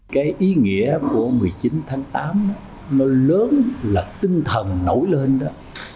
cái ý nghĩa của một mươi chín tháng tám nó lớn là tinh thần nổi lên đó